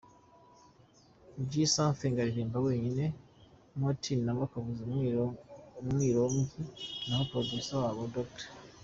J’Something aririmba wenyine, Mo-T na we akavuza umwirongo naho Producer wabo Dr.